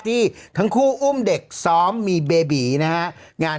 สีวิต้ากับคุณกรนิดหนึ่งดีกว่านะครับแฟนแห่เชียร์หลังเห็นภาพ